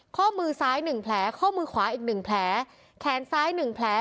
ข้อมือซ้ายหนึ่งแผลข้อมือขวาอีกหนึ่งแผลแขนซ้ายหนึ่งแผล